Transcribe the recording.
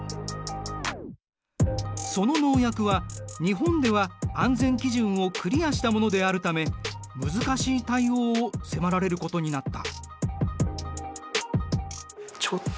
その農薬は日本では安全基準をクリアしたものであるため難しい対応を迫られることになった。